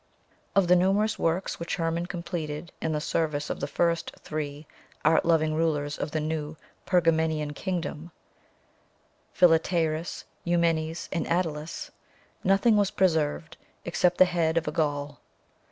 Of the numerous works which Hermon completed in the service of the first three art loving rulers of the new Pergamenian kingdom, Philetaerus, Eumenes, and Attalus, nothing was preserved except the head of a Gaul.